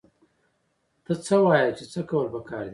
ته څه وايې چې څه کول پکار دي؟